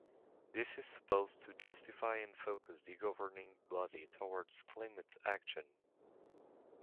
This is supposed to justify and focus the governing body towards climate action.